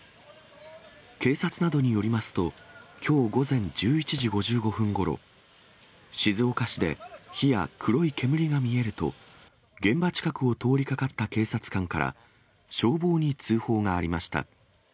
警察などによりますと、きょう午前１１時５５分ごろ、静岡市で火や黒い煙が見えると、現場近くを通りかかった警察官から、消防に通報がありました。